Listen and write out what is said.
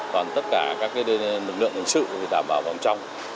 còn tất cả các cái lực lượng hành sự thì đảm bảo vào trong